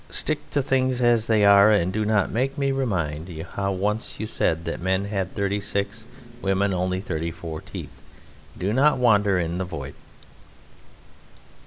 "Stick to things as they are, and do not make me remind you how once you said that men had thirty six, women only thirty four, teeth. Do not wander in the void."